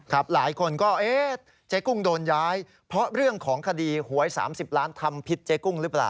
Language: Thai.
หลายคนก็เอ๊ะเจ๊กุ้งโดนย้ายเพราะเรื่องของคดีหวย๓๐ล้านทำผิดเจ๊กุ้งหรือเปล่า